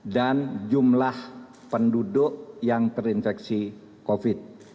dan jumlah penduduk yang terinfeksi covid sembilan belas